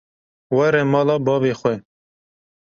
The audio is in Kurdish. Were mala bavê xwe.